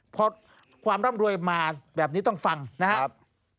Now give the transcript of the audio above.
พอความร่ำรวยมาแบบนี้ต้องฟังนะครับ